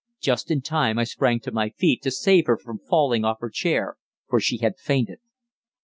Just in time I sprang to my feet to save her from falling off her chair, for she had fainted.